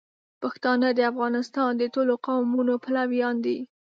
پښتانه د افغانستان د ټولو قومونو پلویان دي.